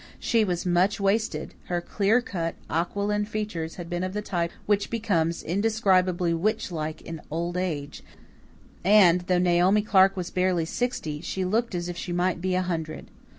She was much wasted; her clear cut, aquiline features had been of the type which becomes indescribably witch like in old age, and, though Naomi Clark was barely sixty, she looked as if she might be a hundred.